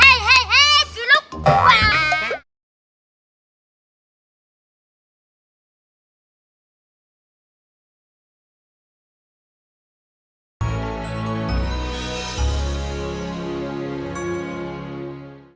hai hai hai ciluk